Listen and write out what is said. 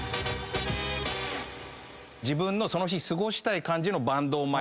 自分のその日過ごしたい感じのバンドを巻いて。